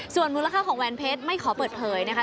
ส่วนมูลค่าของแหวนเพชรไม่ขอเปิดเผยนะคะ